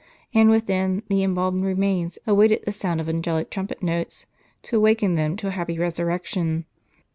And within, the embalmed remains awaited the sound of angelic trumpet notes, to awaken them to a happy resurrection.